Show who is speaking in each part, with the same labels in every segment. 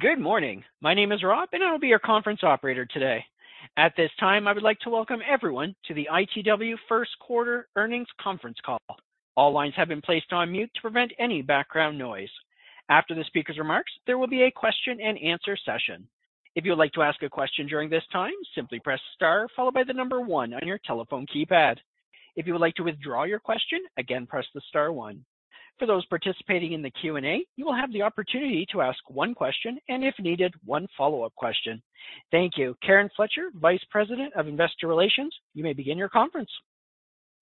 Speaker 1: Good morning. My name is Rob, and I will be your conference operator today. At this time, I would like to welcome everyone to the ITW First Quarter Earnings Conference Call. All lines have been placed on mute to prevent any background noise. After the speaker's remarks, there will be a question-and-answer session. If you would like to ask a question during this time, simply press star followed by the number one on your telephone keypad. If you would like to withdraw your question, again, press the star one. For those participating in the Q&A, you will have the opportunity to ask one question and, if needed, one follow-up question. Thank you. Karen Fletcher, Vice President of Investor Relations, you may begin your conference.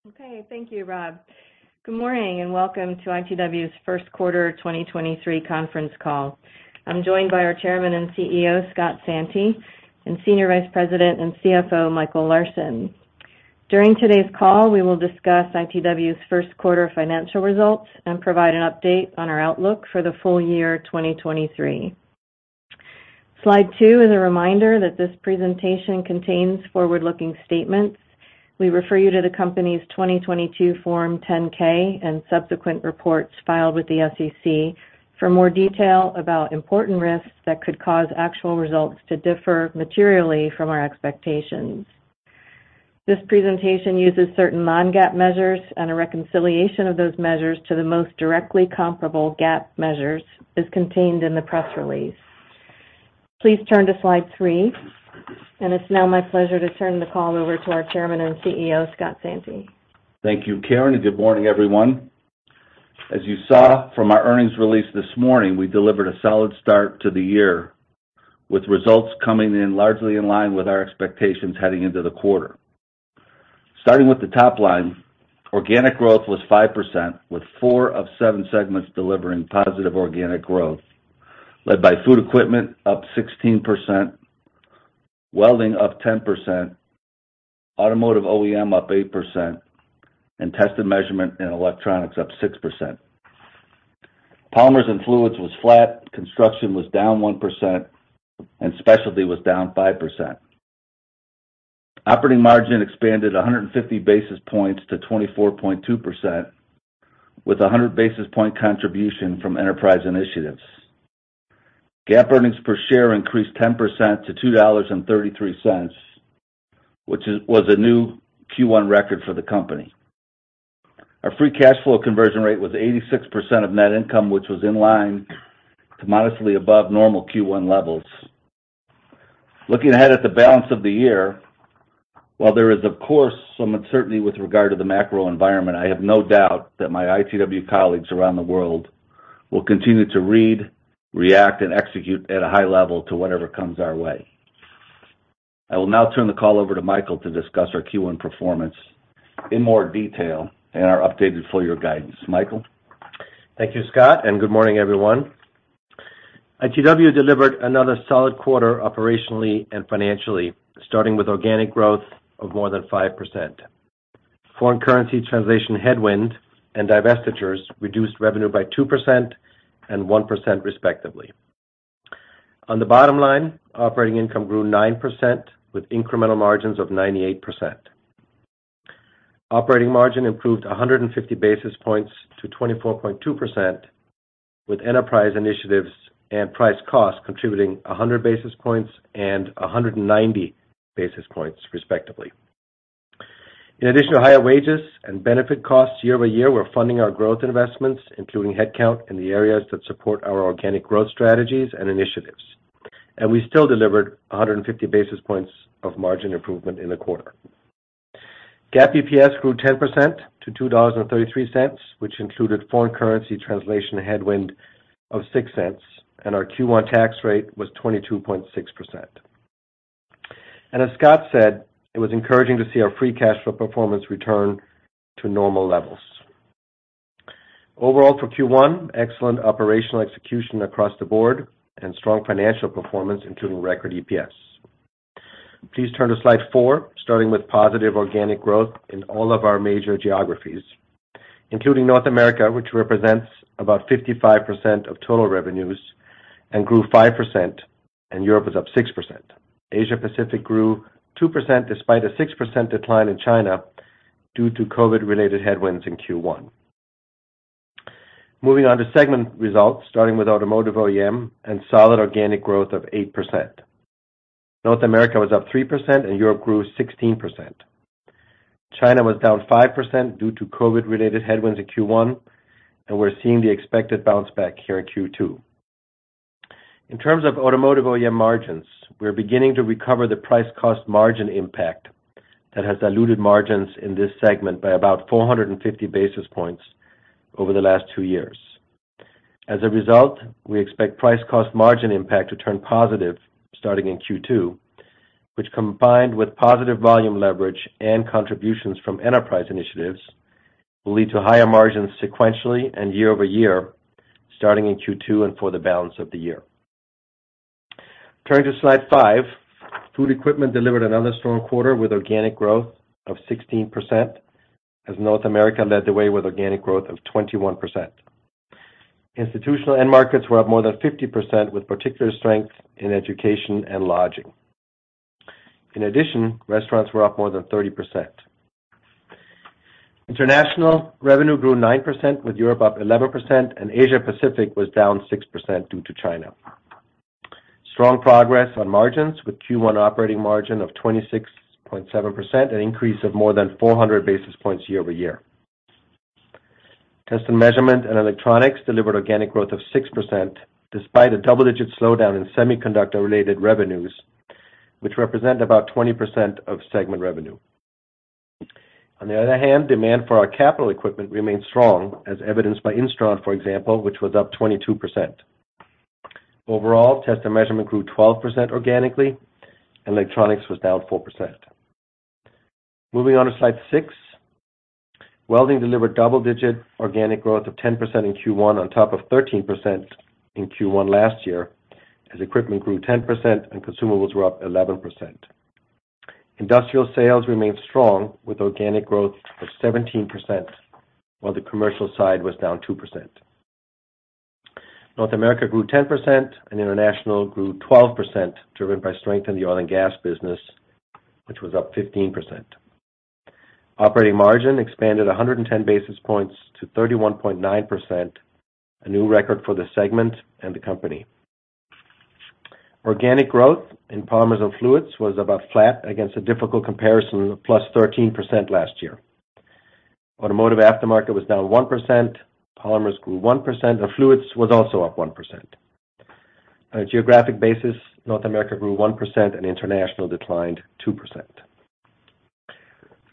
Speaker 2: Okay. Thank you, Rob. Good morning, and welcome to ITW's first quarter 2023 conference call. I'm joined by our Chairman and CEO, Scott Santi, and Senior Vice President and CFO, Michael Larsen. During today's call, we will discuss ITW's first quarter financial results and provide an update on our outlook for the full year 2023. Slide 2 is a reminder that this presentation contains forward-looking statements. We refer you to the company's 2022 Form 10-K and subsequent reports filed with the SEC for more detail about important risks that could cause actual results to differ materially from our expectations. This presentation uses certain non-GAAP measures, and a reconciliation of those measures to the most directly comparable GAAP measures is contained in the press release. Please turn to Slide 3. It's now my pleasure to turn the call over to our Chairman and CEO, Scott Santi.
Speaker 3: Thank you, Karen, and good morning, everyone. As you saw from our earnings release this morning, we delivered a solid start to the year, with results coming in largely in line with our expectations heading into the quarter. Starting with the top line, organic growth was 5%, with four of seven segments delivering positive organic growth, led by food equipment up 16%, welding up 10%, automotive OEM up 8%, and Test & Measurement and electronics up 6%. Polymers and fluids was flat, construction was down 1%, and specialty was down 5%. Operating margin expanded 150 basis points to 24.2%, with a 100 basis point contribution from enterprise initiatives. GAAP earnings per share increased 10% to $2.33, which was a new Q1 record for the company. Our free cash flow conversion rate was 86% of net income, which was in line to modestly above normal Q1 levels. Looking ahead at the balance of the year, while there is of course some uncertainty with regard to the macro environment, I have no doubt that my ITW colleagues around the world will continue to read, react, and execute at a high level to whatever comes our way. I will now turn the call over to Michael to discuss our Q1 performance in more detail and our updated full-year guidance. Michael?
Speaker 4: Thank you, Scott, and good morning, everyone. ITW delivered another solid quarter operationally and financially, starting with organic growth of more than 5%. Foreign currency translation headwind and divestitures reduced revenue by 2% and 1% respectively. On the bottom line, operating income grew 9% with incremental margins of 98%. Operating margin improved 150 basis points to 24.2%, with enterprise initiatives and price cost contributing 100 basis points and 190 basis points, respectively. In addition to higher wages and benefit costs year-over-year, we're funding our growth investments, including headcount in the areas that support our organic growth strategies and initiatives. We still delivered 150 basis points of margin improvement in the quarter. GAAP EPS grew 10% to $2.33, which included foreign currency translation headwind of $0.06. Our Q1 tax rate was 22.6%. As Scott Santi said, it was encouraging to see our free cash flow performance return to normal levels. Overall for Q1, excellent operational execution across the board and strong financial performance, including record EPS. Please turn to Slide 4, starting with positive organic growth in all of our major geographies, including North America, which represents about 55% of total revenues and grew 5%. Europe was up 6%. Asia Pacific grew 2% despite a 6% decline in China due to COVID-related headwinds in Q1. Moving on to segment results, starting with automotive OEM and solid organic growth of 8%. North America was up 3%. Europe grew 16%. China was down 5% due to COVID-related headwinds in Q1, and we're seeing the expected bounce back here in Q2. In terms of automotive OEM margins, we are beginning to recover the price cost margin impact that has diluted margins in this segment by about 450 basis points over the last twtwo years. As a result, we expect price cost margin impact to turn positive starting in Q2, which combined with positive volume leverage and contributions from enterprise initiatives, will lead to higher margins sequentially and year-over-year, starting in Q2 and for the balance of the year. Turning to Slide 5. Food equipment delivered another strong quarter with organic growth of 16% as North America led the way with organic growth of 21%. Institutional end markets were up more than 50% with particular strength in education and lodging. Restaurants were up more than 30%. International revenue grew 9% with Europe up 11% and Asia Pacific was down 6% due to China. Strong progress on margins with Q1 operating margin of 26.7%, an increase of more than 400 basis points year-over-year. Test & Measurement and Electronics delivered organic growth of 6% despite a double-digit slowdown in semiconductor-related revenues, which represent about 20% of segment revenue. Demand for our capital equipment remains strong, as evidenced by Instron, for example, which was up 22%. Test & Measurement grew 12% organically. Electronics was down 4%. Moving on to Slide 6. Welding delivered double-digit organic growth of 10% in Q1 on top of 13% in Q1 last year, as equipment grew 10% and consumables were up 11%. Industrial sales remained strong with organic growth of 17%, while the commercial side was down 2%. North America grew 10%, and international grew 12%, driven by strength in the oil and gas business, which was up 15%. Operating margin expanded 110 basis points to 31.9%, a new record for the segment and the company. Organic growth in polymers and fluids was about flat against a difficult comparison of +13% last year. Automotive aftermarket was down 1%. Polymers grew 1%, and fluids was also up 1%. On a geographic basis, North America grew 1%, and international declined 2%.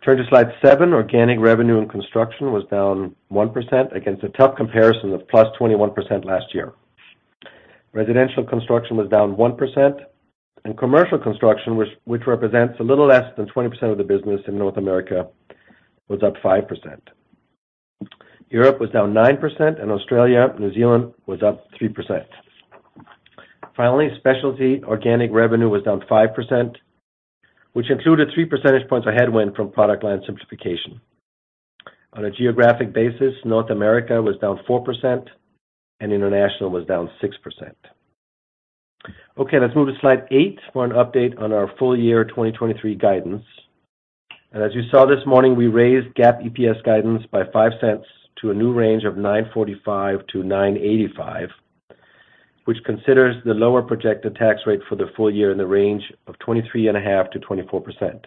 Speaker 4: Turn to Slide 7. Organic revenue and construction was down 1% against a tough comparison of +21% last year. Residential construction was down 1%, and commercial construction, which represents a little less than 20% of the business in North America, was up 5%. Europe was down 9%, and Australia/New Zealand was up 3%. Finally, specialty organic revenue was down 5%, which included 3 percentage points of headwind from product line simplification. On a geographic basis, North America was down 4% and international was down 6%. Let's move to Slide 8 for an update on our full year 2023 guidance. As you saw this morning, we raised GAAP EPS guidance by $0.05 to a new range of $9.45-$9.85, which considers the lower projected tax rate for the full year in the range of 23.5%-24%.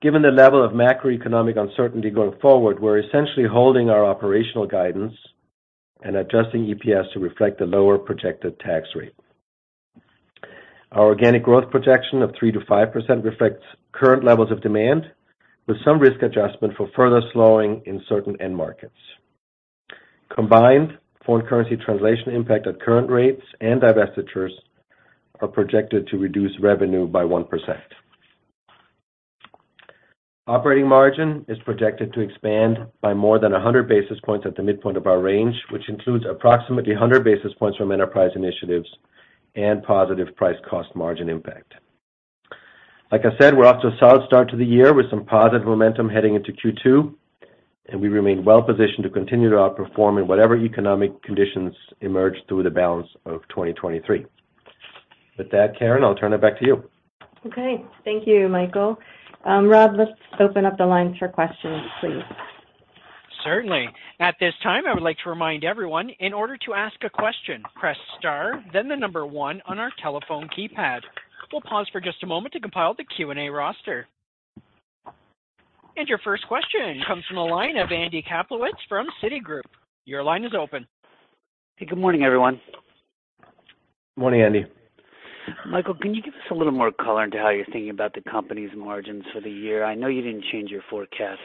Speaker 4: Given the level of macroeconomic uncertainty going forward, we're essentially holding our operational guidance and adjusting EPS to reflect the lower projected tax rate. Our organic growth projection of 3%-5% reflects current levels of demand, with some risk adjustment for further slowing in certain end markets. Combined foreign currency translation impact at current rates and divestitures are projected to reduce revenue by 1%. Operating margin is projected to expand by more than 100 basis points at the midpoint of our range, which includes approximately 100 basis points from enterprise initiatives and positive price cost margin impact. Like I said, we're off to a solid start to the year with some positive momentum heading into Q2, and we remain well positioned to continue to outperform in whatever economic conditions emerge through the balance of 2023. With that, Karen, I'll turn it back to you.
Speaker 2: Okay. Thank you, Michael. Rob, let's open up the lines for questions, please.
Speaker 1: Certainly. At this time, I would like to remind everyone, in order to ask a question, press star, then the number one on our telephone keypad. We'll pause for just a moment to compile the Q&A roster. Your first question comes from the line of Andy Kaplowitz from Citigroup. Your line is open.
Speaker 5: Hey, good morning, everyone.
Speaker 4: Morning, Andy.
Speaker 5: Michael, can you give us a little more color into how you're thinking about the company's margins for the year? I know you didn't change your forecast,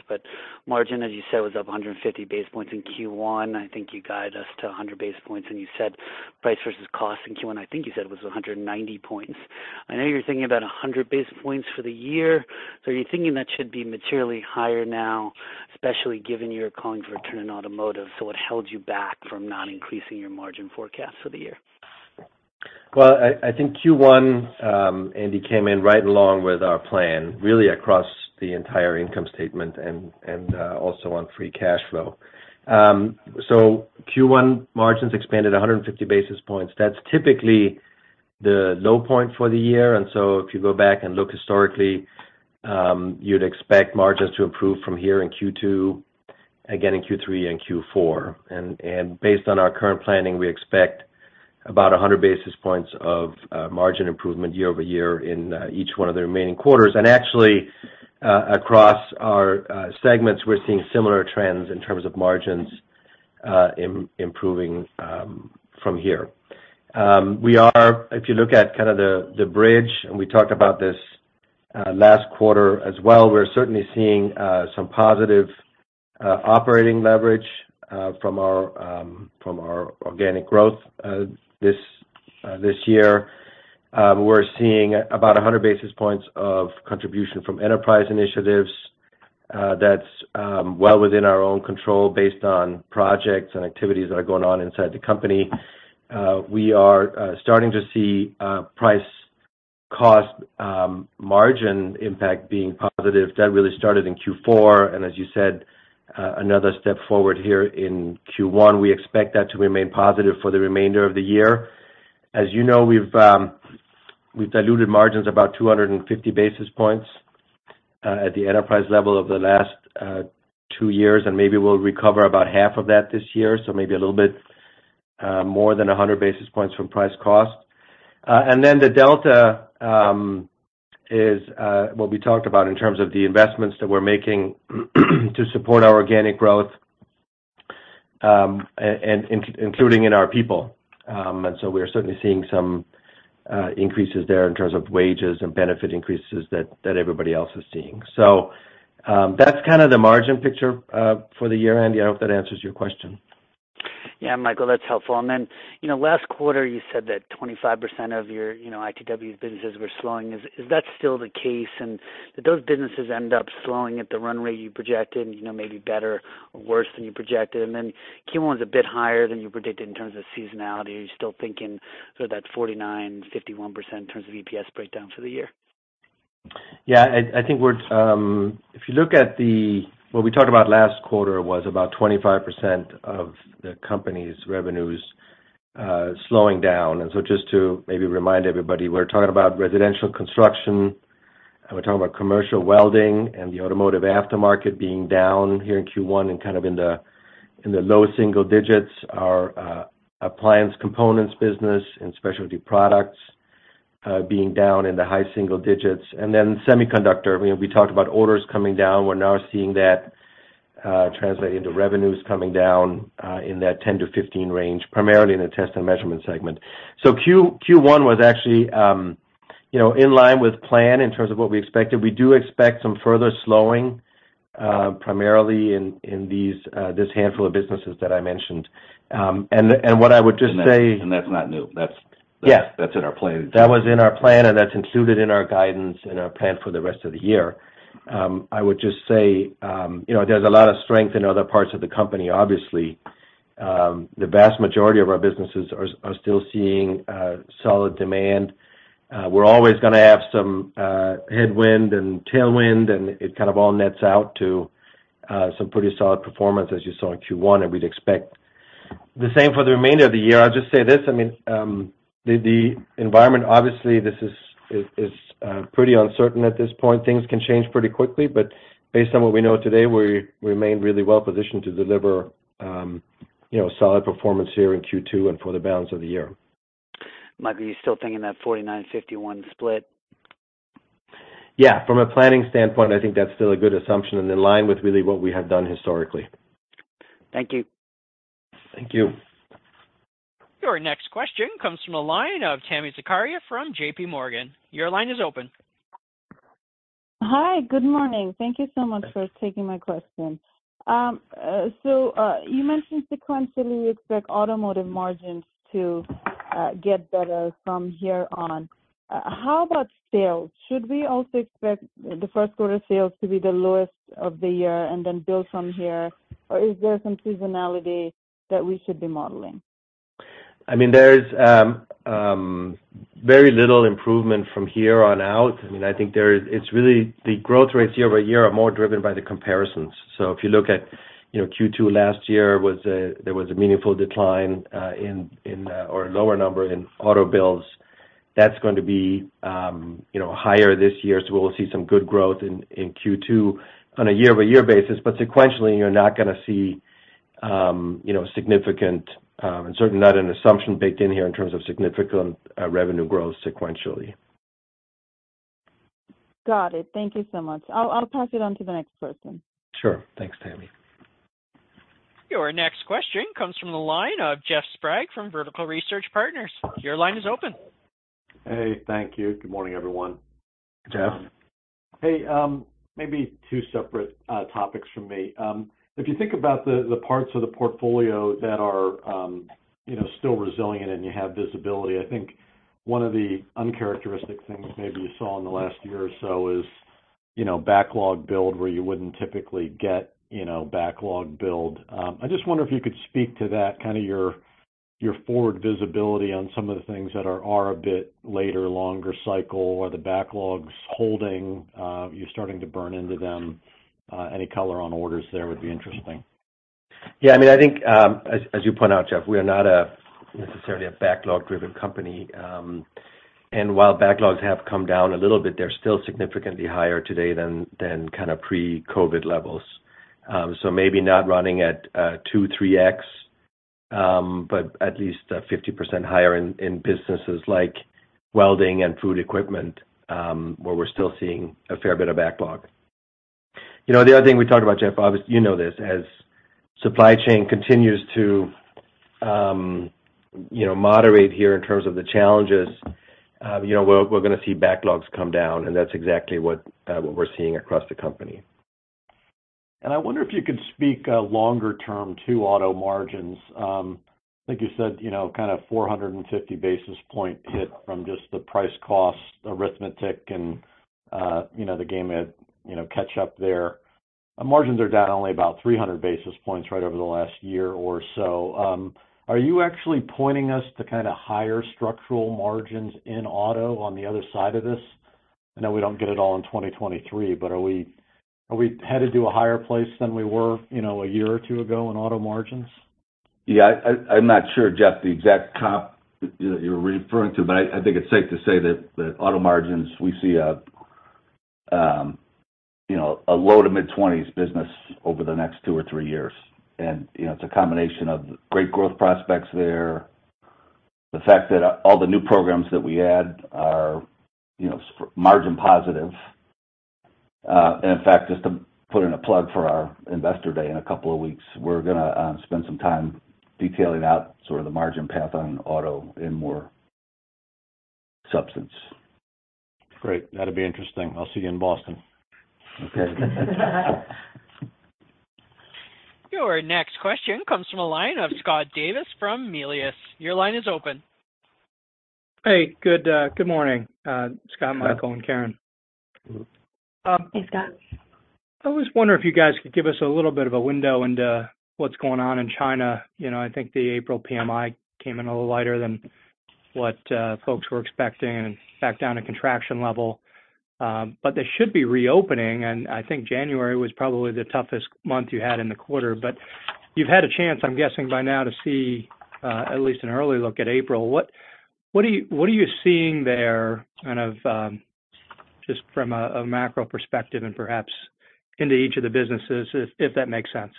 Speaker 5: margin, as you said, was up 150 basis points in Q1. I think you guide us to 100 basis points, you said price versus cost in Q1, I think you said, was 190 points. I know you're thinking about 100 basis points for the year. Are you thinking that should be materially higher now, especially given you're calling for a turn in automotive? What held you back from not increasing your margin forecast for the year?
Speaker 4: I think Q1, Andy, came in right along with our plan, really across the entire income statement and also on free cash flow. Q1 margins expanded 150 basis points. That's typically the low point for the year. If you go back and look historically, you'd expect margins to improve from here in Q2, again in Q3 and Q4. Based on our current planning, we expect about 100 basis points of margin improvement year-over-year in each one of the remaining quarters. Actually, across our segments, we're seeing similar trends in terms of margins improving from here. If you look at kind of the bridge, and we talked about this last quarter as well, we're certainly seeing some positive operating leverage from our organic growth this year. We're seeing about 100 basis points of contribution from enterprise initiatives. That's well within our own control based on projects and activities that are going on inside the company. We are starting to see price cost margin impact being positive. That really started in Q4, and as you said, another step forward here in Q1. We expect that to remain positive for the remainder of the year. As you know, we've diluted margins about 250 basis points at the enterprise level over the last two years, maybe we'll recover about half of that this year, so maybe a little bit more than 100 basis points from price cost. Then the delta is what we talked about in terms of the investments that we're making to support our organic growth, and including in our people. So we're certainly seeing some increases there in terms of wages and benefit increases that everybody else is seeing. That's kind of the margin picture for the year, Andy. I hope that answers your question.
Speaker 5: Yeah, Michael, that's helpful. you know, last quarter you said that 25% of your, you know, ITW businesses were slowing. Is that still the case? Did those businesses end up slowing at the run rate you projected, you know, maybe better or worse than you projected? Q1's a bit higher than you predicted in terms of seasonality. Are you still thinking sort of that 49%-51% in terms of EPS breakdown for the year?
Speaker 4: Yeah. I think we're. If you look at what we talked about last quarter, it was about 25% of the company's revenues slowing down. Just to maybe remind everybody, we're talking about residential construction, and we're talking about commercial welding and the automotive aftermarket being down here in Q1 and kind of in the low single digits. Our appliance components business and specialty products being down in the high single digits. Semiconductor, you know, we talked about orders coming down. We're now seeing that translate into revenues coming down in that 10-15 range, primarily in the Test & Measurement segment. Q1 was actually, you know, in line with plan in terms of what we expected. We do expect some further slowing, primarily in these, this handful of businesses that I mentioned.
Speaker 3: That's not new.
Speaker 4: Yes.
Speaker 3: That's in our plan.
Speaker 4: That was in our plan, and that's included in our guidance and our plan for the rest of the year. I would just say, you know, there's a lot of strength in other parts of the company, obviously. The vast majority of our businesses are still seeing solid demand. We're always gonna have some headwind and tailwind, and it kind of all nets out to some pretty solid performance as you saw in Q1, and we'd expect the same for the remainder of the year. I'll just say this, I mean, the environment obviously this is pretty uncertain at this point. Things can change pretty quickly. Based on what we know today, we remain really well positioned to deliver, you know, solid performance here in Q2 and for the balance of the year.
Speaker 5: Mike, are you still thinking that 49%-51% split?
Speaker 4: Yeah. From a planning standpoint, I think that's still a good assumption and in line with really what we have done historically.
Speaker 5: Thank you.
Speaker 4: Thank you.
Speaker 1: Your next question comes from the line of Tami Zakaria from JPMorgan. Your line is open.
Speaker 6: Hi. Good morning. Thank you so much for taking my question. You mentioned sequentially you expect automotive margins to get better from here on. How about sales? Should we also expect the first quarter sales to be the lowest of the year and then build from here? Is there some seasonality that we should be modeling?
Speaker 4: I mean, there's very little improvement from here on out. I mean, I think it's really the growth rates year-over-year are more driven by the comparisons. If you look at, you know, Q2 last year was a meaningful decline in, or lower number in auto builds. That's going to be, you know, higher this year, we'll see some good growth in Q2 on a year-over-year basis. Sequentially, you're not gonna see, you know, significant, and certainly not an assumption baked in here in terms of significant revenue growth sequentially.
Speaker 6: Got it. Thank you so much. I'll pass it on to the next person.
Speaker 4: Sure. Thanks, Tami.
Speaker 1: Your next question comes from the line of Jeff Sprague from Vertical Research Partners. Your line is open.
Speaker 7: Hey, thank you. Good morning, everyone.
Speaker 4: Jeff.
Speaker 7: Maybe two separate topics from me. If you think about the parts of the portfolio that are, you know, still resilient and you have visibility, I think one of the uncharacteristic things maybe you saw in the last year or so is, you know, backlog build where you wouldn't typically get, you know, backlog build. I just wonder if you could speak to that, kind of your forward visibility on some of the things that are a bit later, longer cycle. Are the backlogs holding? Are you starting to burn into them? Any color on orders there would be interesting.
Speaker 4: Yeah. I mean, I think, as you point out, Jeff, we are not a necessarily a backlog-driven company. While backlogs have come down a little bit, they're still significantly higher today than kind of pre-COVID levels. Maybe not running at, 2, 3x, but at least, 50% higher in businesses like welding and food equipment, where we're still seeing a fair bit of backlog. You know, the other thing we talked about, Jeff, you know this, as supply chain continues to, you know, moderate here in terms of the challenges, you know, we're gonna see backlogs come down, and that's exactly what we're seeing across the company.
Speaker 7: I wonder if you could speak longer term to auto margins. I think you said, you know, kind of 450 basis point hit from just the price cost arithmetic and, you know, the game at, you know, catch up there. Margins are down only about 300 basis points right over the last year or so. Are you actually pointing us to kinda higher structural margins in auto on the other side of this? I know we don't get it all in 2023, but are we, are we headed to a higher place than we were, you know, a year or two ago in auto margins?
Speaker 4: Yeah, I'm not sure, Jeff, the exact comp you're referring to, but I think it's safe to say that auto margins, we see a, you know, a low to mid-20s business over the next two or three years. You know, it's a combination of great growth prospects there, the fact that all the new programs that we add are, you know, margin positive. In fact, just to put in a plug for our Investor Day in a couple of weeks, we're gonna spend some time detailing out sort of the margin path on auto in more substance.
Speaker 3: Great. That'll be interesting. I'll see you in Boston.
Speaker 4: Okay.
Speaker 1: Your next question comes from the line of Scott Davis from Melius. Your line is open.
Speaker 8: Hey, good morning, Scott, Michael, and Karen.
Speaker 4: Mm-hmm.
Speaker 6: Hey, Scott.
Speaker 8: I was wondering if you guys could give us a little bit of a window into what's going on in China. You know, I think the April PMI came in a little lighter than what folks were expecting and back down to contraction level. But they should be reopening, and I think January was probably the toughest month you had in the quarter. But you've had a chance, I'm guessing, by now to see at least an early look at April. What are you seeing there kind of just from a macro perspective and perhaps into each of the businesses, if that makes sense?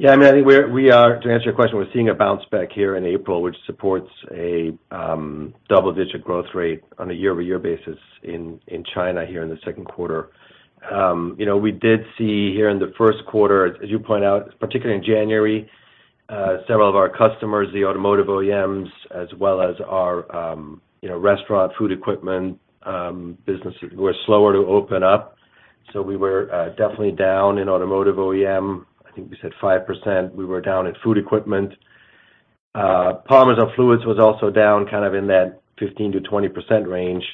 Speaker 4: I mean, I think we are, to answer your question, we're seeing a bounce back here in April, which supports a double-digit growth rate on a year-over-year basis in China here in the second quarter. You know, we did see here in the first quarter, as you point out, particularly in January, several of our customers, the automotive OEMs, as well as our, you know, restaurant food equipment businesses were slower to open up. We were definitely down in automotive OEM. I think we said 5%. We were down at food equipment. Polymers and fluids was also down kind of in that 15%-20% range.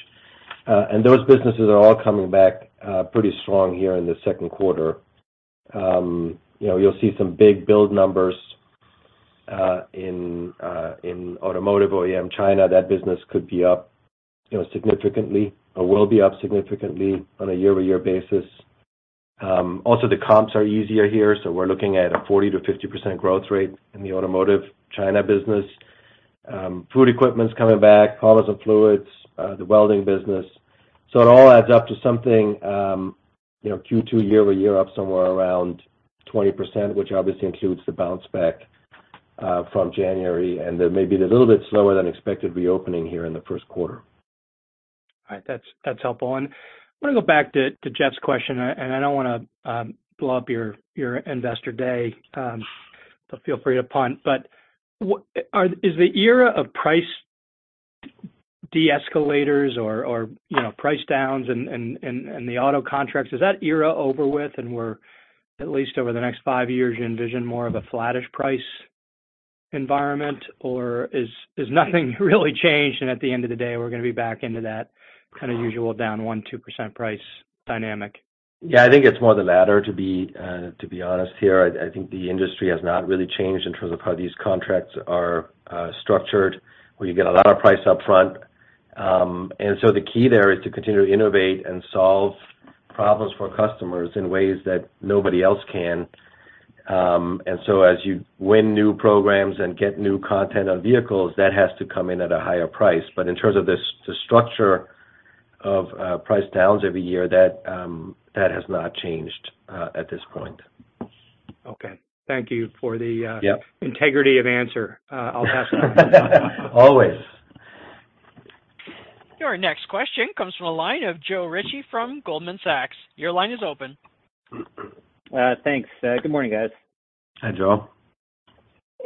Speaker 4: Those businesses are all coming back pretty strong here in the second quarter. you know, you'll see some big build numbers in automotive OEM China. That business could be up, you know, significantly, or will be up significantly on a year-over-year basis. Also, the comps are easier here, so we're looking at a 40%-50% growth rate in the automotive China business. Food equipment's coming back, polymers and fluids, the welding business. It all adds up to something, you know, Q2 year-over-year up somewhere around 20%, which obviously includes the bounce back from January. Maybe the little bit slower than expected reopening here in the first quarter.
Speaker 8: All right. That's, that's helpful. I want to go back to Jeff's question, I don't wanna blow up your Investor Day, so feel free to punt. What is the era of price de-escalators or, you know, price downs and the auto contracts, is that era over with and we're at least over the next five years, you envision more of a flattish price environment? Is, has nothing really changed and at the end of the day, we're gonna be back into that kind of usual down 1%-2% price dynamic?
Speaker 4: Yeah. I think it's more the latter, to be to be honest here. I think the industry has not really changed in terms of how these contracts are structured, where you get a lot of price up front. The key there is to continue to innovate and solve problems for customers in ways that nobody else can. As you win new programs and get new content on vehicles, that has to come in at a higher price. In terms of the structure of price downs every year, that has not changed at this point.
Speaker 8: Okay. Thank you for the.
Speaker 4: Yeah.
Speaker 8: -integrity of answer. I'll pass it on.
Speaker 4: Always.
Speaker 1: Your next question comes from the line of Joe Ritchie from Goldman Sachs. Your line is open.
Speaker 9: thanks. good morning, guys.
Speaker 4: Hi, Joe.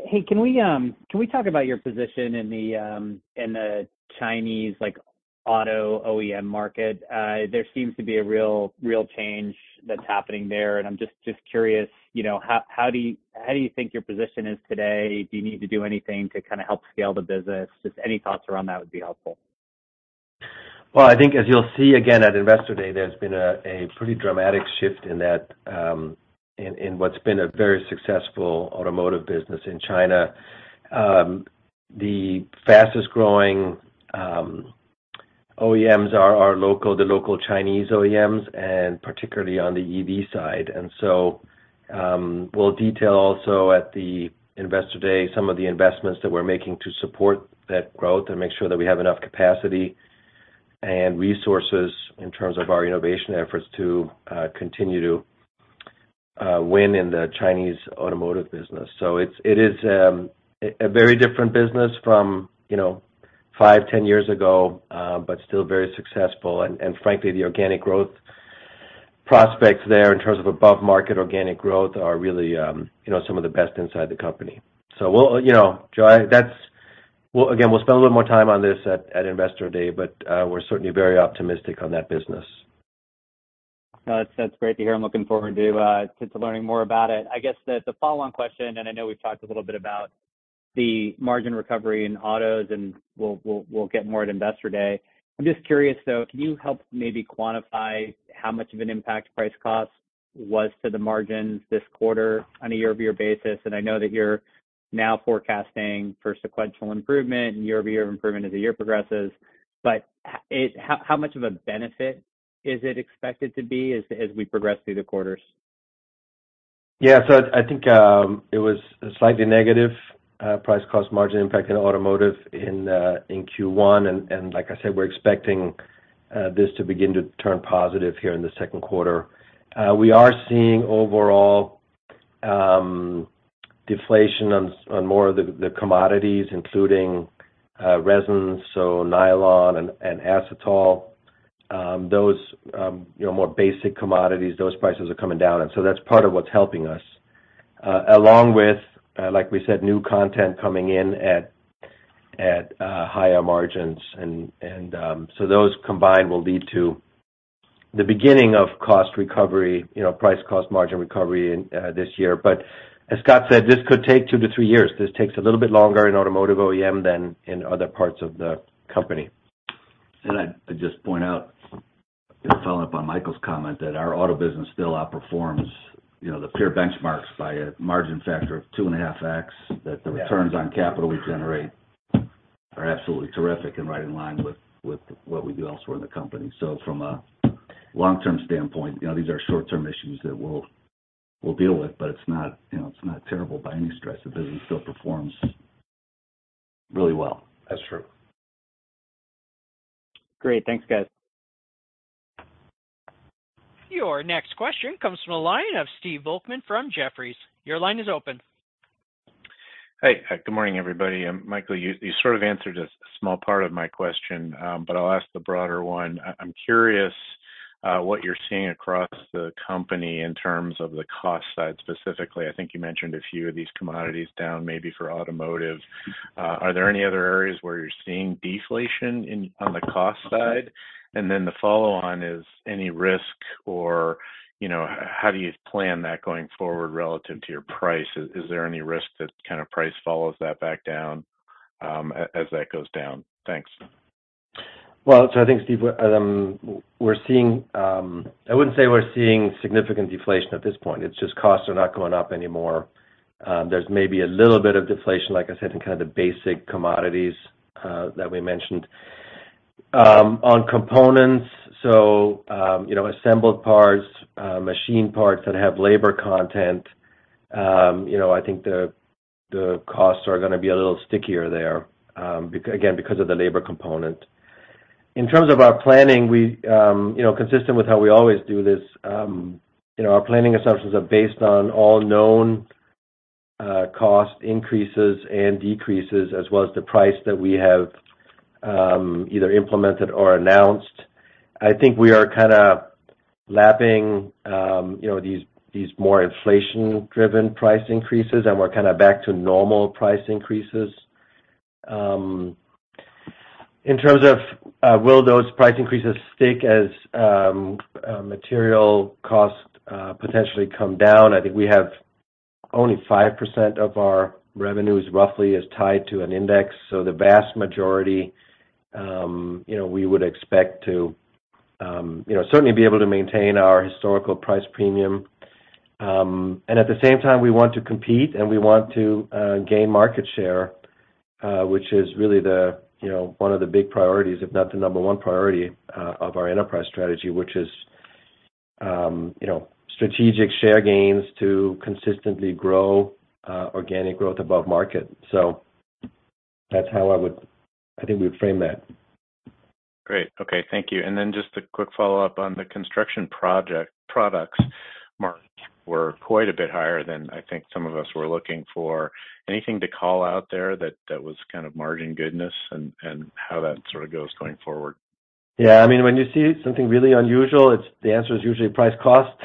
Speaker 9: Hey, can we, can we talk about your position in the, in the Chinese like auto OEM market? There seems to be a real change that's happening there, and I'm just curious, you know, how do you think your position is today? Do you need to do anything to kinda help scale the business? Just any thoughts around that would be helpful.
Speaker 4: I think as you'll see again at Investor Day, there's been a pretty dramatic shift in that, in what's been a very successful automotive business in China. The fastest growing OEMs are local, the local Chinese OEMs, and particularly on the EV side. We'll detail also at the Investor Day some of the investments that we're making to support that growth and make sure that we have enough capacity and resources in terms of our innovation efforts to continue to win in the Chinese automotive business. It is a very different business from, you know, 5, 10 years ago, but still very successful. Frankly, the organic growth prospects there in terms of above market organic growth are really, you know, some of the best inside the company. We'll... You know, Joe, we'll again, we'll spend a little more time on this at Investor Day, but we're certainly very optimistic on that business.
Speaker 9: No, that's great to hear. I'm looking forward to learning more about it. I guess the follow-on question, and I know we've talked a little bit about the margin recovery in autos, and we'll get more at Investor Day. I'm just curious, though, can you help maybe quantify how much of an impact price cost was to the margins this quarter on a year-over-year basis? I know that you're now forecasting for sequential improvement and year-over-year improvement as the year progresses, but how much of a benefit Is it expected to be as we progress through the quarters?
Speaker 4: Yeah. I think, it was a slightly negative price cost margin impact in automotive in Q1. Like I said, we're expecting this to begin to turn positive here in the second quarter. We are seeing overall deflation on more of the commodities, including resins, so nylon and acetal. Those, you know, more basic commodities, those prices are coming down. That's part of what's helping us, along with, like we said, new content coming in at higher margins. Those combined will lead to the beginning of cost recovery, you know, price cost margin recovery this year. As Scott said, this could take 2-3 years. This takes a little bit longer in automotive OEM than in other parts of the company.
Speaker 3: I'd just point out, you know, following up on Michael's comment, that our auto business still outperforms, you know, the peer benchmarks by a margin factor of 2.5x.
Speaker 4: Yeah.
Speaker 3: That the returns on capital we generate are absolutely terrific and right in line with what we do elsewhere in the company. From a long-term standpoint, you know, these are short-term issues that we'll deal with, but it's not, you know, it's not terrible by any stretch. The business still performs really well.
Speaker 4: That's true.
Speaker 9: Great. Thanks, guys.
Speaker 1: Your next question comes from the line of Stephen Volkmann from Jefferies. Your line is open.
Speaker 10: Hey. Good morning, everybody. Michael, you sort of answered a small part of my question, I'll ask the broader one. I'm curious what you're seeing across the company in terms of the cost side specifically. I think you mentioned a few of these commodities down maybe for automotive. Are there any other areas where you're seeing deflation on the cost side? The follow-on is any risk or, you know, how do you plan that going forward relative to your price? Is there any risk that kind of price follows that back down as that goes down? Thanks.
Speaker 4: Well, I think, Steve, we're seeing... I wouldn't say we're seeing significant deflation at this point. It's just costs are not going up anymore. There's maybe a little bit of deflation, like I said, in kind of the basic commodities that we mentioned. On components, you know, assembled parts, machine parts that have labor content, you know, I think the costs are gonna be a little stickier there, again, because of the labor component. In terms of our planning, we, you know, consistent with how we always do this, you know, our planning assumptions are based on all known cost increases and decreases as well as the price that we have either implemented or announced. I think we are kind of lapping, you know, these more inflation-driven price increases, and we're kind of back to normal price increases. In terms of, will those price increases stick as material costs potentially come down, I think we have only 5% of our revenues roughly is tied to an index. The vast majority, you know, we would expect to, you know, certainly be able to maintain our historical price premium. And at the same time, we want to compete, and we want to gain market share, which is really the, you know, one of the big priorities, if not the number one priority, of our enterprise strategy, which is, you know, strategic share gains to consistently grow organic growth above market. That's how I think we would frame that.
Speaker 10: Great. Okay. Thank you. Then just a quick follow-up on the construction products margins were quite a bit higher than I think some of us were looking for. Anything to call out there that was kind of margin goodness and how that sort of goes going forward?
Speaker 4: Yeah. I mean, when you see something really unusual, the answer is usually price cost.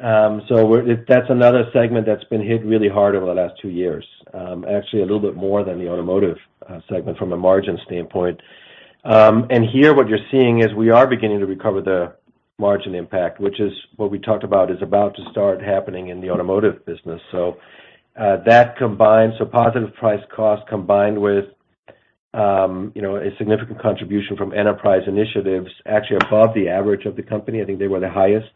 Speaker 4: That's another segment that's been hit really hard over the last two years. actually a little bit more than the automotive segment from a margin standpoint. Here what you're seeing is we are beginning to recover the margin impact, which is what we talked about is about to start happening in the automotive business. That combined, positive price cost combined with, you know, a significant contribution from enterprise initiatives actually above the average of the company. I think they were the highest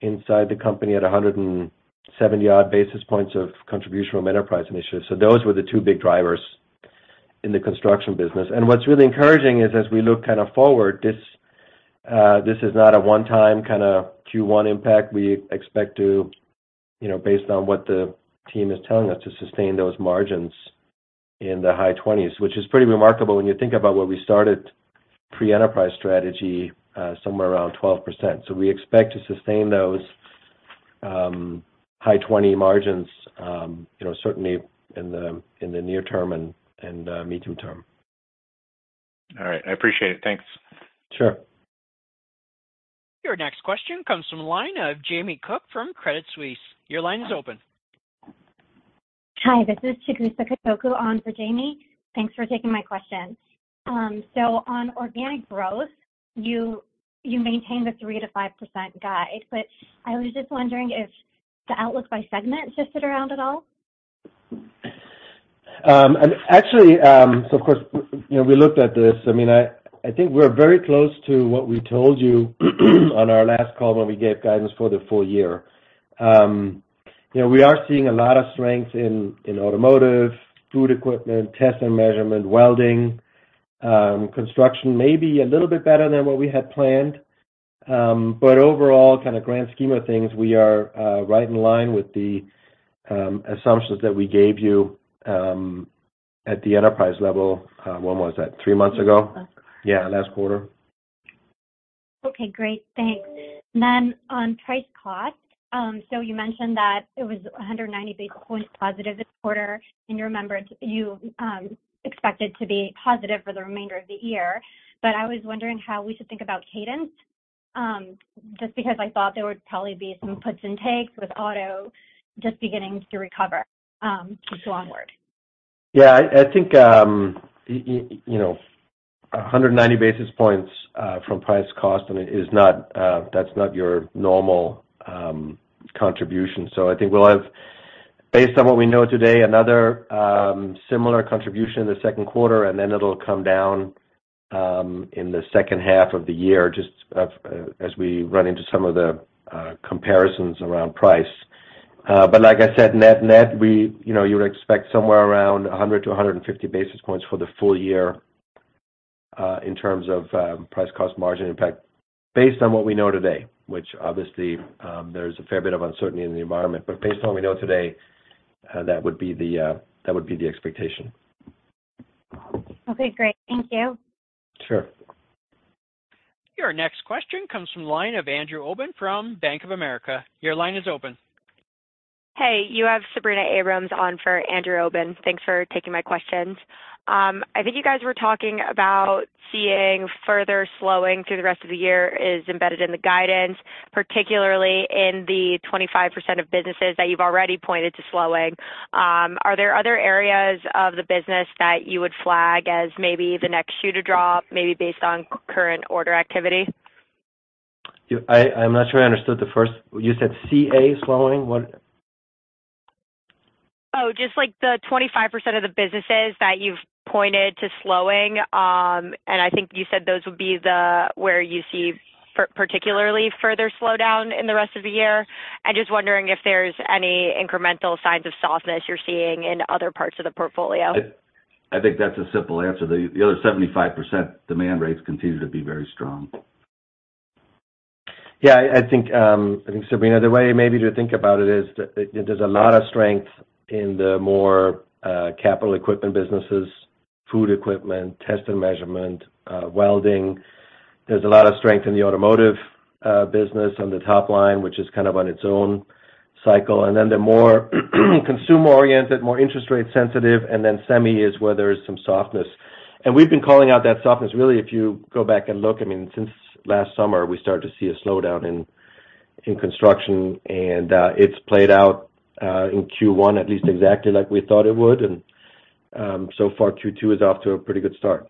Speaker 4: inside the company at 170 odd basis points of contribution from enterprise initiatives. Those were the two big drivers in the construction business. What's really encouraging is as we look kind of forward, this is not a one-time kind of Q1 impact. We expect to, you know, based on what the team is telling us, to sustain those margins in the high 20s%, which is pretty remarkable when you think about where we started pre-enterprise strategy, somewhere around 12%. We expect to sustain those high 20s% margins, you know, certainly in the, in the near term and, mid-term.
Speaker 10: All right. I appreciate it. Thanks.
Speaker 4: Sure.
Speaker 1: Your next question comes from the line of Jamie Cook from Credit Suisse. Your line is open.
Speaker 11: Hi, this is Chigusa Katoku on for Jamie. Thanks for taking my question. On organic growth, you maintain the 3%-5% guide. I was just wondering if the outlook by segment shifted around at all?
Speaker 4: Actually, of course, you know, we looked at this. I mean, I think we're very close to what we told you on our last call when we gave guidance for the full year. You know, we are seeing a lot of strength in automotive, food equipment, Test & Measurement, welding, construction, maybe a little bit better than what we had planned. Overall, kind of grand scheme of things, we are right in line with the assumptions that we gave you at the enterprise level, when was that? Three months ago?
Speaker 11: Last quarter.
Speaker 4: Yeah, last quarter.
Speaker 11: Okay, great. Thanks. On price cost, You mentioned that it was 190 basis points positive this quarter, and you remembered you expect it to be positive for the remainder of the year. I was wondering how we should think about cadence, just because I thought there would probably be some puts and takes with auto just beginning to recover, just going forward.
Speaker 4: Yeah. I think, you know, 190 basis points from price cost is not, that's not your normal contribution. I think we'll have, based on what we know today, another similar contribution in the second quarter, and then it'll come down in the second half of the year, just as we run into some of the comparisons around price. Like I said, net-net, we, you know, you would expect somewhere around 100 to 150 basis points for the full year, in terms of price cost margin impact based on what we know today, which obviously, there's a fair bit of uncertainty in the environment. Based on what we know today, that would be the expectation.
Speaker 11: Okay, great. Thank you.
Speaker 4: Sure.
Speaker 1: Your next question comes from the line of Andrew Obin from Bank of America. Your line is open.
Speaker 12: Hey, you have Sabrina Abrams on for Andrew Obin. Thanks for taking my questions. I think you guys were talking about seeing further slowing through the rest of the year is embedded in the guidance, particularly in the 25% of businesses that you've already pointed to slowing. Are there other areas of the business that you would flag as maybe the next shoe to drop, maybe based on current order activity?
Speaker 4: I'm not sure I understood the first. You said CA slowing? What?
Speaker 12: Oh, just like the 25% of the businesses that you've pointed to slowing. I think you said those would be the where you see particularly further slowdown in the rest of the year. I'm just wondering if there's any incremental signs of softness you're seeing in other parts of the portfolio?
Speaker 3: I think that's a simple answer. The other 75% demand rates continue to be very strong.
Speaker 4: Yeah, I think, I think Sabrina, the way maybe to think about it is that there's a lot of strength in the more capital equipment businesses: food equipment, Test & Measurement, welding. There's a lot of strength in the automotive business on the top line, which is kind of on its own cycle. Then the more consumer-oriented, more interest rate sensitive, and then semi is where there is some softness. We've been calling out that softness, really, if you go back and look, I mean, since last summer, we started to see a slowdown in construction, and it's played out in Q1 at least exactly like we thought it would. So far Q2 is off to a pretty good start.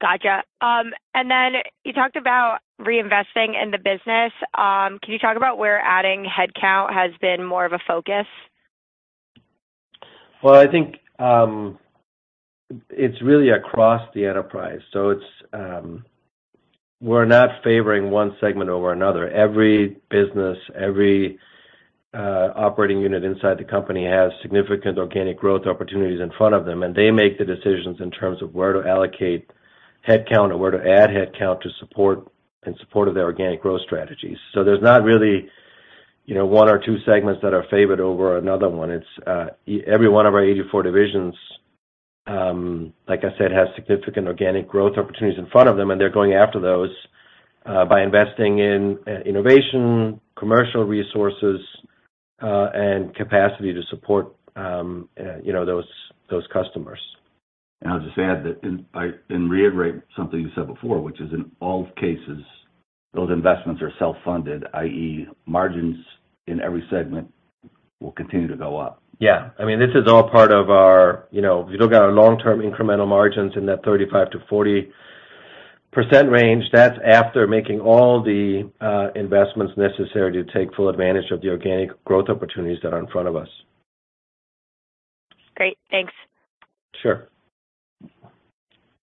Speaker 12: Gotcha. Then you talked about reinvesting in the business. Can you talk about where adding headcount has been more of a focus?
Speaker 4: Well, I think, it's really across the enterprise. It's, we're not favoring one segment over another. Every business, every operating unit inside the company has significant organic growth opportunities in front of them, and they make the decisions in terms of where to allocate headcount or where to add headcount in support of their organic growth strategies. There's not really, you know, one or two segments that are favored over another one. It's, every one of our 84 divisions, like I said, has significant organic growth opportunities in front of them, and they're going after those, by investing in innovation, commercial resources, and capacity to support, you know, those customers.
Speaker 3: I'll just add that, and reiterate something you said before, which is in all cases, those investments are self-funded, i.e. margins in every segment will continue to go up.
Speaker 4: Yeah. I mean, this is all part of our, you know, if you look at our long-term incremental margins in that 35%-40% range, that's after making all the investments necessary to take full advantage of the organic growth opportunities that are in front of us.
Speaker 12: Great. Thanks.
Speaker 4: Sure.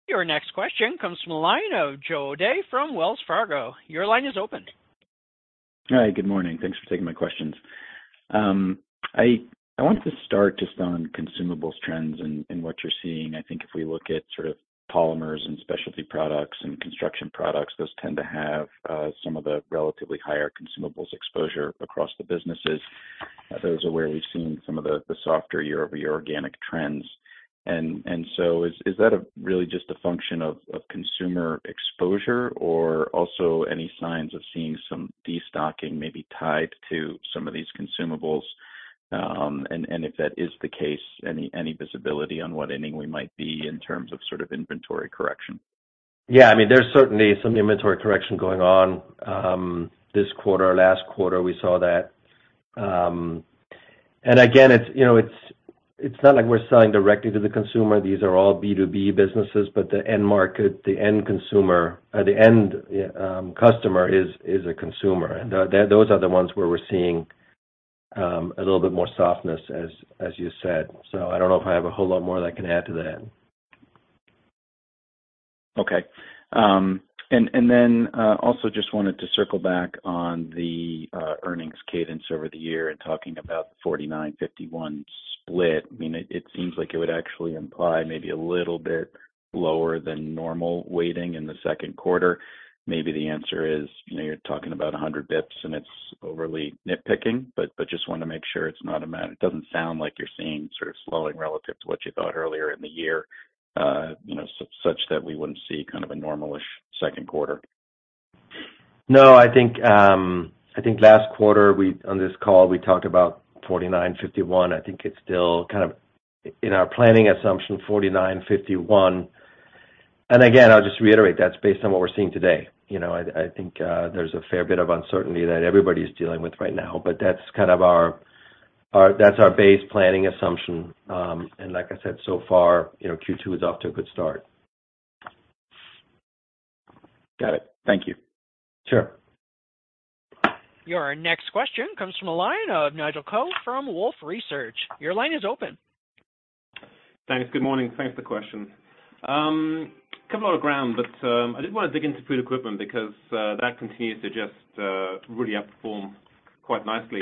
Speaker 1: Your next question comes from the line of Joe O'Dea from Wells Fargo. Your line is open.
Speaker 13: Hi, good morning. Thanks for taking my questions. I want to start just on consumables trends and what you're seeing. I think if we look at sort of polymers and specialty products and construction products, those tend to have some of the relatively higher consumables exposure across the businesses. Those are where we've seen some of the softer year-over-year organic trends. Is that really just a function of consumer exposure or also any signs of seeing some destocking maybe tied to some of these consumables? If that is the case, any visibility on what inning we might be in terms of inventory correction?
Speaker 4: Yeah. I mean, there's certainly some inventory correction going on this quarter. Last quarter, we saw that. Again, it's, you know, it's not like we're selling directly to the consumer. These are all B2B businesses, but the end market, the end consumer, or the end customer is a consumer. Those are the ones where we're seeing a little bit more softness as you said. I don't know if I have a whole lot more that I can add to that.
Speaker 14: Okay. Also just wanted to circle back on the earnings cadence over the year and talking about the 49%-51% split. I mean, it seems like it would actually imply maybe a little bit lower than normal weighting in the second quarter. Maybe the answer is, you know, you're talking about 100 basis points and it's overly nitpicking. Just want to make sure it doesn't sound like you're seeing sort of slowing relative to what you thought earlier in the year, you know, such that we wouldn't see kind of a normal-ish second quarter.
Speaker 4: No, I think, I think last quarter on this call, we talked about 49%-51%. I think it's still kind of in our planning assumption, 49%-51%. Again, I'll just reiterate, that's based on what we're seeing today. You know, I think, there's a fair bit of uncertainty that everybody's dealing with right now, but that's kind of our. That's our base planning assumption. Like I said, so far, you know, Q2 is off to a good start.
Speaker 14: Got it. Thank you.
Speaker 4: Sure.
Speaker 1: Your next question comes from the line of Nigel Coe from Wolfe Research. Your line is open.
Speaker 15: Thanks. Good morning. Thanks for the question. cover a lot of ground, but I did want to dig into food equipment because that continues to just really outperform quite nicely.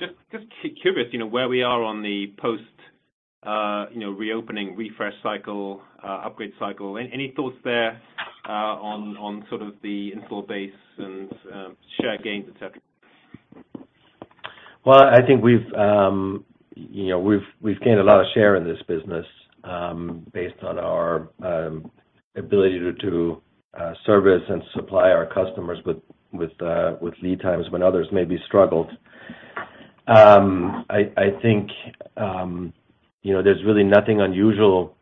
Speaker 15: Just curious, you know, where we are on the post, you know, reopening refresh cycle, upgrade cycle. Any thoughts there, on sort of the install base and, share gains, et cetera?
Speaker 4: I think we've, you know, we've gained a lot of share in this business, based on our ability to service and supply our customers with lead times when others maybe struggled. I think, you know, there's really nothing unusual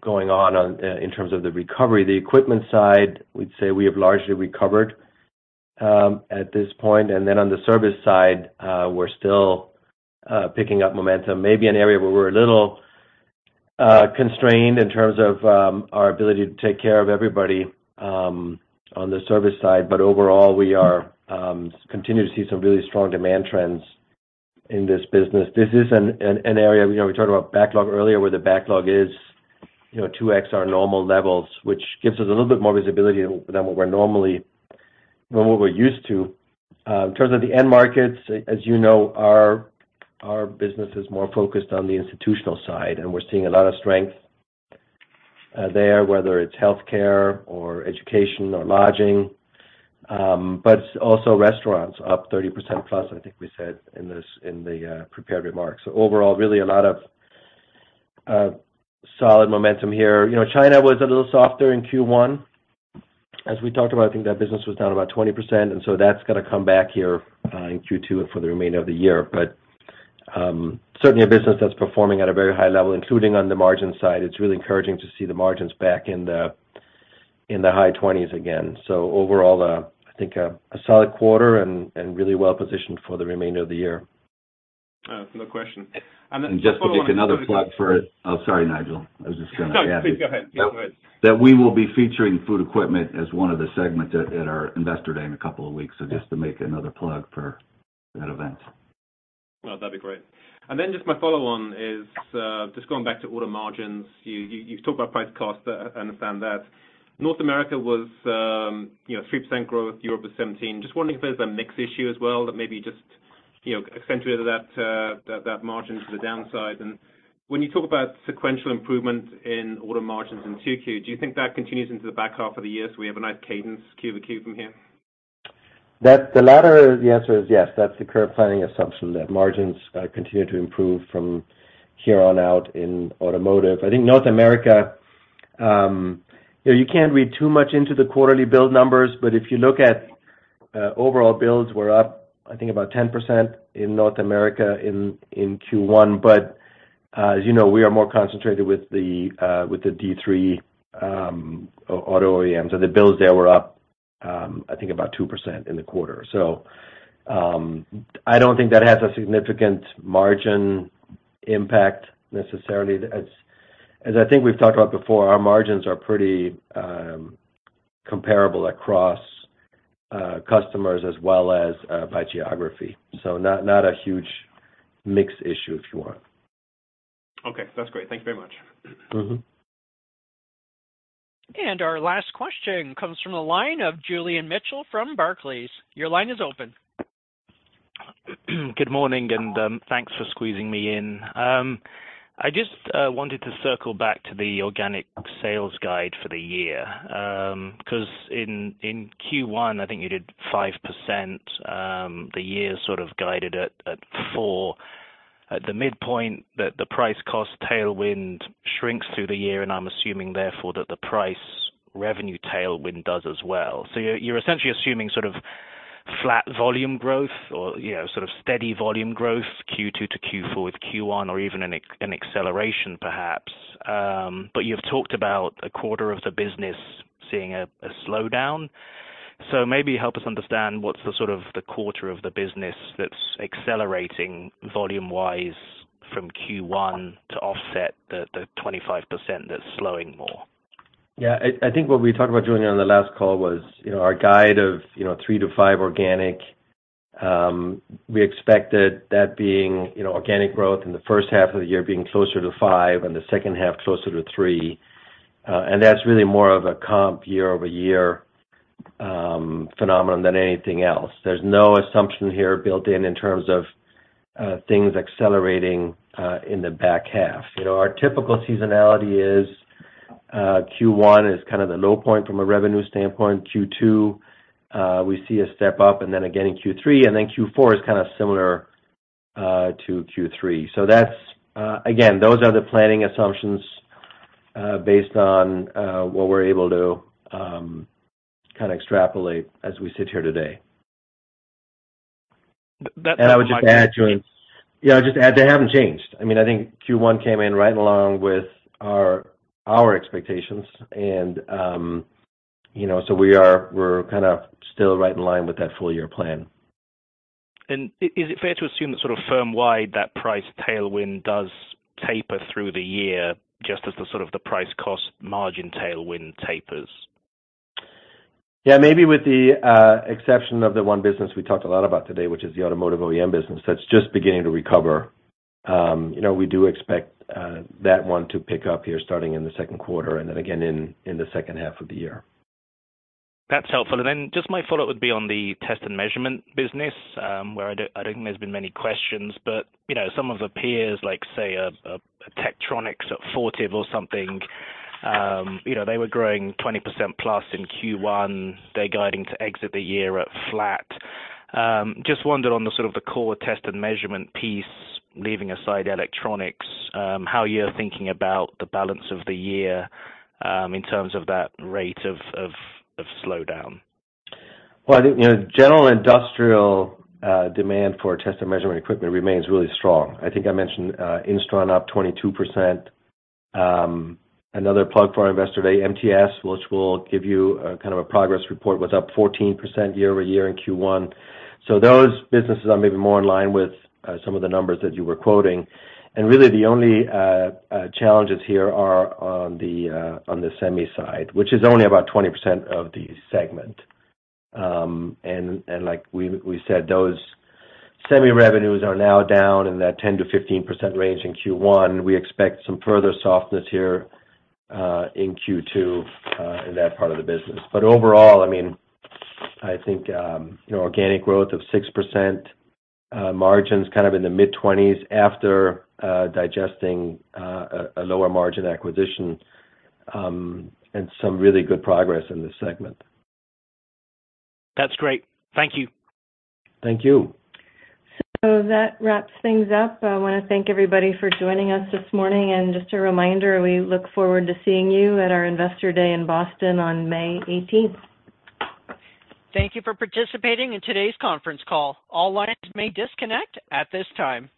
Speaker 4: going on in terms of the recovery. The equipment side, we'd say we have largely recovered at this point. On the service side, we're still picking up momentum. Maybe an area where we're a little constrained in terms of our ability to take care of everybody on the service side. Overall, we are continue to see some really strong demand trends in this business. This is an area, you know, we talked about backlog earlier, where the backlog is, you know, 2x our normal levels, which gives us a little bit more visibility than what we're normally than what we're used to. In terms of the end markets, as you know, our business is more focused on the institutional side. We're seeing a lot of strength there, whether it's healthcare or education or lodging, but also restaurants, up 30%+ I think we said in this, in the prepared remarks. Overall, really a lot of solid momentum here. You know, China was a little softer in Q1. As we talked about, I think that business was down about 20%. That's gonna come back here in Q2 and for the remainder of the year. Certainly a business that's performing at a very high level, including on the margin side. It's really encouraging to see the margins back in the high twenties again. Overall, I think a solid quarter and really well positioned for the remainder of the year.
Speaker 15: Oh, no question. Just to follow on-
Speaker 4: just to make another plug for... Oh, sorry, Nigel. I was just gonna add-
Speaker 15: No, please go ahead. Go ahead.
Speaker 4: That we will be featuring food equipment as one of the segments at our Investor Day in a couple of weeks. Just to make another plug for that event.
Speaker 15: No, that'd be great. Then just my follow-on is, just going back to auto margins. You talked about price cost. I understand that. North America was, you know, 3% growth. Europe was 17%. Just wondering if there's a mix issue as well that maybe just, you know, accentuated that margin to the downside? When you talk about sequential improvement in auto margins in 2Q, do you think that continues into the back half of the year, so we have a nice cadence Q-over-Q from here?
Speaker 4: The latter, the answer is yes. That's the current planning assumption, that margins continue to improve from here on out in automotive. I think North America, you know, you can't read too much into the quarterly build numbers, but if you look at overall builds were up, I think about 10% in North America in Q1. As you know, we are more concentrated with the D3 auto OEMs, and the builds there were up, I think about 2% in the quarter. I don't think that has a significant margin impact necessarily. As I think we've talked about before, our margins are pretty comparable across customers as well as by geography. Not a huge mix issue if you want.
Speaker 15: Okay. That's great. Thank you very much.
Speaker 4: Mm-hmm.
Speaker 1: Our last question comes from the line of Julian Mitchell from Barclays. Your line is open.
Speaker 14: Good morning, thanks for squeezing me in. I just wanted to circle back to the organic sales guide for the year. 'cause in Q1, I think you did 5%. The year sort of guided at 4. At the midpoint, the price-cost tailwind shrinks through the year, and I'm assuming therefore that the price revenue tailwind does as well. You're, you're essentially assuming sort of flat volume growth or, you know, sort of steady volume growth Q2 to Q4 with Q1 or even an acceleration perhaps. You've talked about a quarter of the business seeing a slowdown. Maybe help us understand what's the sort of the quarter of the business that's accelerating volume-wise from Q1 to offset the 25% that's slowing more.
Speaker 4: Yeah. I think what we talked about, Julian, on the last call was, you know, our guide of, you know, 3% to 5% organic. We expected that being, you know, organic growth in the first half of the year being closer to 5% and the second half closer to 3%. That's really more of a comp year-over-year phenomenon than anything else. There's no assumption here built in in terms of things accelerating in the back half. You know, our typical seasonality is Q1 is kind of the low point from a revenue standpoint. Q2, we see a step up, and then again in Q3, and then Q4 is kind of similar to Q3. That's again, those are the planning assumptions based on what we're able to kinda extrapolate as we sit here today.
Speaker 14: That-
Speaker 4: I would just add to it. Yeah, I'd just add, they haven't changed. I mean, I think Q1 came in right along with our expectations and, you know, we're kind of still right in line with that full year plan.
Speaker 14: Is it fair to assume that sort of firm wide, that price tailwind does taper through the year just as the sort of the price cost margin tailwind tapers?
Speaker 4: Maybe with the exception of the one business we talked a lot about today, which is the automotive OEM business, that's just beginning to recover. You know, we do expect that one to pick up here starting in the second quarter and then again in the second half of the year.
Speaker 14: That's helpful. Just my follow-up would be on the Test & Measurement business, where I don't think there's been many questions, but, you know, some of the peers like, say, a Techtronix or Fortive or something, you know, they were growing 20% plus in Q1. They're guiding to exit the year at flat. Just wondered on the sort of the core Test & Measurement piece, leaving aside electronics, how you're thinking about the balance of the year, in terms of that rate of slowdown.
Speaker 4: Well, I think, you know, general industrial demand for Test & Measurement equipment remains really strong. I think I mentioned Instron up 22%. Another plug for our Investor Day, MTS, which will give you a kind of a progress report, was up 14% year-over-year in Q1. Those businesses are maybe more in line with some of the numbers that you were quoting. Really the only challenges here are on the semi side, which is only about 20% of the segment. Like we said, those semi revenues are now down in that 10%-15% range in Q1. We expect some further softness here in Q2 in that part of the business. overall, I mean, I think, you know, organic growth of 6%, margins kind of in the mid-20s after digesting a lower margin acquisition, and some really good progress in this segment.
Speaker 14: That's great. Thank you.
Speaker 4: Thank you.
Speaker 2: That wraps things up. I wanna thank everybody for joining us this morning. Just a reminder, we look forward to seeing you at our Investor Day in Boston on May 18th.
Speaker 1: Thank you for participating in today's conference call. All lines may disconnect at this time.